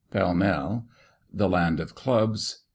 PALL MALL. THE LAND OF CLUBS.